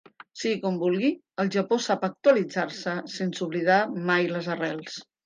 Sigui com vulgui, el Japó sap actualitzar-se sense oblidar mai les arrels.